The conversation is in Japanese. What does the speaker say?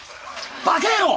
バカ野郎！